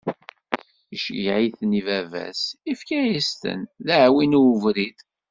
Iceggeɛ-iten i baba-s, ifka-as-ten d aɛwin i ubrid.